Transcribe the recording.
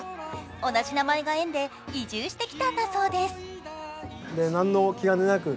同じ名前が縁で移住してきたんだそうです。